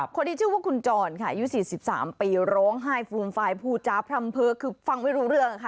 คนนี้ชื่อว่าคุณจรค่ะอายุ๔๓ปีร้องไห้ฟูมฟายพูดจาพร่ำเภอคือฟังไม่รู้เรื่องค่ะ